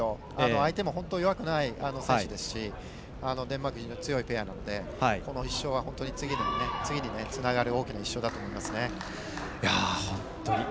相手も弱くない選手ですしデンマーク非常に強いペアなのでこの１勝は本当に次につながる大きな１勝だと思います。